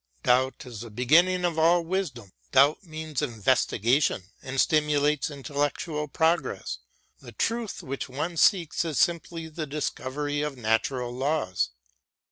Doubt is the beginning of all wisdom, doubt means investigation and stimulates intellectual progress. The truth which one seeks is simply the discovery of natural laws.